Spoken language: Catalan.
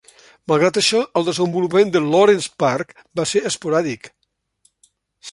Malgrat això, el desenvolupament de Lawrence Park va ser esporàdic.